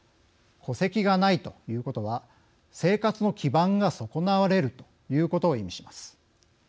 戸籍がないということは生活の基盤が損なわれるということを意味します。